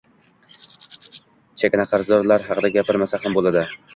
Chakana qarzdorlar haqida gapirmasa ham bo'ladi